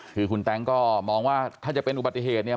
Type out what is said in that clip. คือคุณแต๊งก็มองว่าถ้าจะเป็นอุบัติเหตุเนี่ย